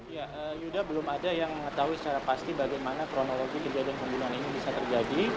ya yuda belum ada yang mengetahui secara pasti bagaimana kronologi kejadian pembunuhan ini bisa terjadi